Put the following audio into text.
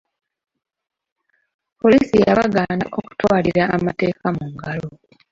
Poliisi yabagaana okutwalira amateeka mu ngalo.